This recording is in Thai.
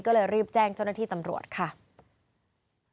ก็เลยรีบแจ้งเจ้าหน้าที่ตำรวจค่ะ